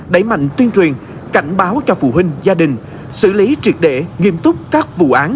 đẩy mạnh tuyên truyền cảnh báo cho phụ huynh gia đình xử lý triệt để nghiêm túc các vụ án